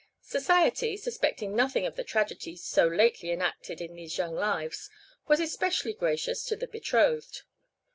Society, suspecting nothing of the tragedy so lately enacted in these young lives, was especially gracious to the betrothed.